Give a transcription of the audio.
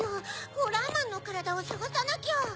ホラーマンのからだをさがさなきゃ。